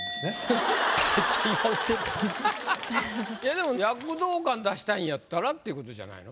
でも躍動感出したいんやったらっていうことじゃないの？